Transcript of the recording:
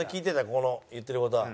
ここの言ってる事は。